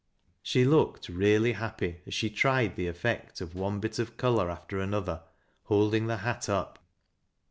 She looked really hajjpy as she tried the effect of one bit of color after Another, holding the hat up.